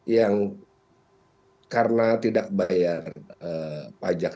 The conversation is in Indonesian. yang karena tidak bayar pajak